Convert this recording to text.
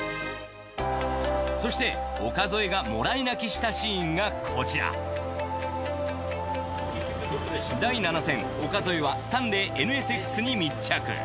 そして岡副がもらい泣きしたシーンがこちら第７戦岡副はスタンレーＮＳＸに密着。